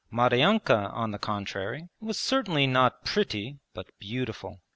Maryanka on the contrary was certainly not pretty but beautiful.